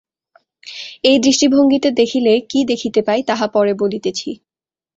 এই দৃষ্টিভঙ্গীতে দেখিলে কি দেখিতে পাই, তাহা পরে বলিতেছি।